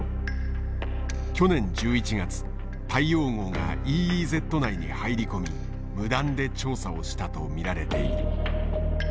去年１１月大洋号がＥＥＺ内に入り込み無断で調査をしたと見られている。